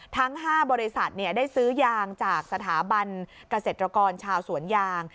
ทั้ง๕บริษัทได้ซื้อยางจากสถาบันเกษตรกรชาวสวนยาง